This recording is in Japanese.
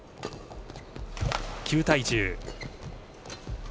９対１０。